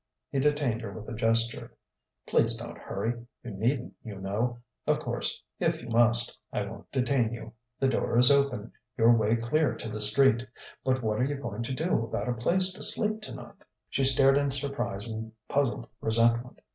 He detained her with a gesture. "Please don't hurry: you needn't, you know. Of course, if you must, I won't detain you: the door is open, your way clear to the street. But what are you going to do about a place to sleep tonight?" She stared in surprise and puzzled resentment.